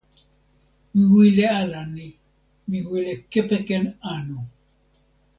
mi wile ala ni: mi wile kepeken anu.